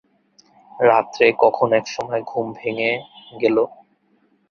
রাত্রে কখন এক সময়ে ঘুম ভেঙে গেল।